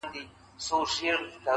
ورځ په خلوت کي تېروي چي تیاره وغوړېږي!!